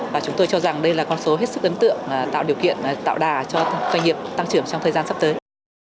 và chúng tôi cho rằng đây là con số hết sức ấn tượng tạo điều kiện tạo đà cho doanh nghiệp tăng trưởng trong thời gian sắp tới